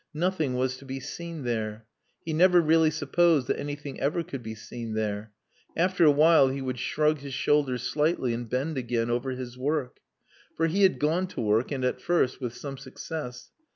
Nothing was to be seen there. He never really supposed that anything ever could be seen there. After a while he would shrug his shoulders slightly and bend again over his work. For he had gone to work and, at first, with some success.